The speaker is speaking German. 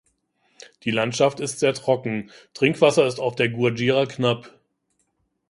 Die Landschaft ist sehr trocken, Trinkwasser ist auf der Guajira knapp.